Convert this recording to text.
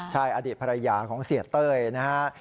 ใช่อดีตภรรยาของเสียเต้ยนะฮะ